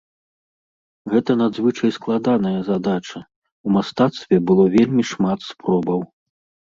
Гэта надзвычай складаная задача, у мастацтве было вельмі шмат спробаў.